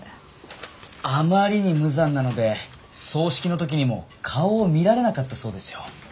あまりに無残なので葬式の時にも顔を見られなかったそうですよ。